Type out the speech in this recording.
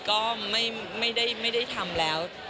ก็ไม่ได้ทำแล้ว